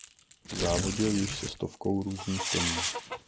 Závodil již se stovkou různých koní.